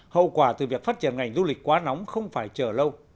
hậu quả từ việc phát triển ngành du lịch quá nóng không phải trở lâu